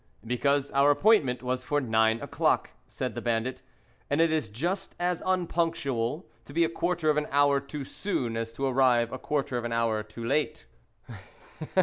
"Because our appointment was for nine o'clock," said the bandit, "and it is just as unpunctual to be a quarter of an hour too soon as to arrive a quarter of an hour too late."